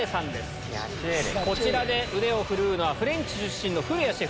こちらで腕を振るうのはフレンチ出身の古屋シェフ。